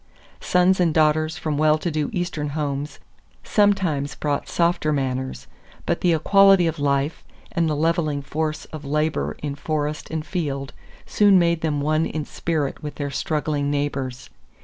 Sons and daughters from well to do Eastern homes sometimes brought softer manners; but the equality of life and the leveling force of labor in forest and field soon made them one in spirit with their struggling neighbors.